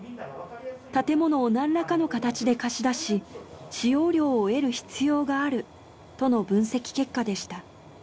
建物をなんらかの形で貸し出し使用料を得る必要があるとの分析結果でした。